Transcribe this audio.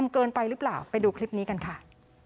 เย็นไหลอยู่ตรงนั้น